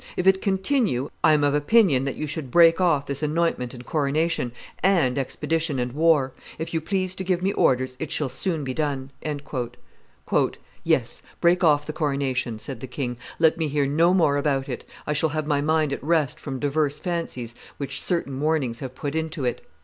If it continue, I am of opinion that you should break off this anointment and coronation, and expedition and war; if you please to give me orders, it shall soon be done." "Yes, break off the coronation," said the king: "let me hear no more about it; I shall have my mind at rest from divers fancies which certain warnings have put into it.